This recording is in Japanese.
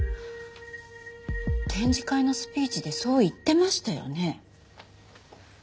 展示会のスピーチでそう言ってましたよね？